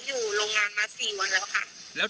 อยู่โรงงานมา๔วันแล้วค่ะ